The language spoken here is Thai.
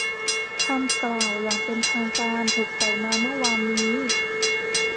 คำกล่าวอย่างเป็นทางการถูกปล่อยมาเมื่อวานนี้